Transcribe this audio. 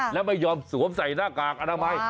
และไม่ยอมสวมใส่หน้ากากอนามัย